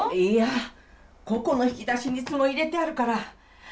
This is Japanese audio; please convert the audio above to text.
いやここの引き出しにいつも入れてあるから。